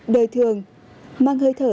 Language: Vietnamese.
đời thường mang hơi thở